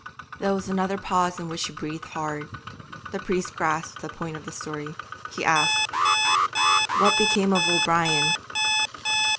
There was another pause in which she breathed hard; the priest grasped the point of the story; he asked 'What became of O'Brien?'